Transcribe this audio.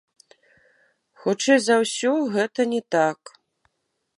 Хутчэй за ўсё, гэта не так.